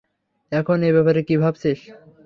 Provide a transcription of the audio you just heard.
এখন এ ব্যাপারে কি ভাবছিস?